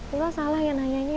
ibu salah ya nanyanya